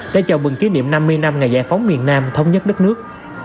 để chào mừng kỷ niệm năm mươi năm ngày giải phóng miền nam thống nhất đất nước